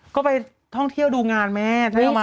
ก็ไปท่องเที่ยวดูงานแม่